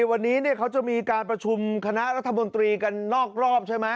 วันนี้เขาจะมีการประชุมคณะรัฐมนตรีกันนอกรอบใช่ไหม